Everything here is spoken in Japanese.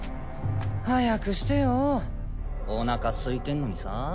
早くしてよおなか空いてんのにさ。